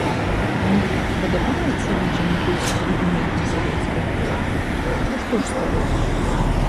Ну, падабаецца людзям быць рудыментамі савецкай эпохі, то што ж паробіш?